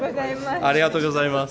ありがとうございます。